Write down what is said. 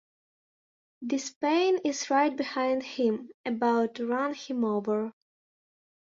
De Spain is right behind him, about to run him over.